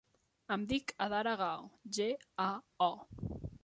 Em dic Adara Gao: ge, a, o.